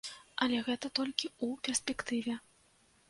Але гэта толькі ў перспектыве.